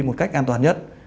một cách an toàn nhất